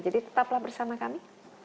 jadi tetaplah bersama kami